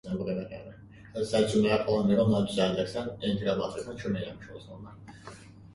He was interred in Lakeview Cemetery.